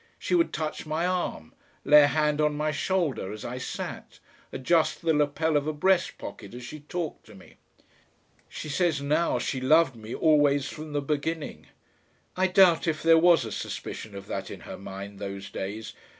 She would touch my arm, lay a hand on my shoulder as I sat, adjust the lapel of a breast pocket as she talked to me. She says now she loved me always from the beginning. I doubt if there was a suspicion of that in her mind those days.